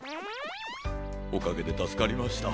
おかげでたすかりました。